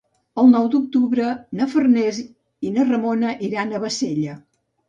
El nou d'octubre na Farners i na Ramona iran a Bassella.